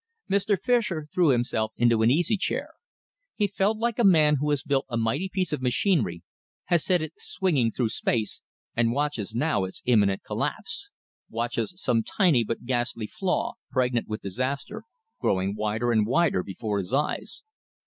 Mr. Fischer threw himself into an easy chair. He felt like a man who has built a mighty piece of machinery, has set it swinging through space, and watches now its imminent collapse; watches some tiny but ghastly flaw, pregnant with disaster, growing wider and wider before his eyes.